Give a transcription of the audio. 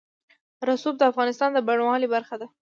رسوب د افغانستان د بڼوالۍ برخه ده.